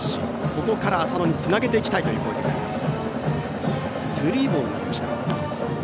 ここから浅野につなげていきたい攻撃になります。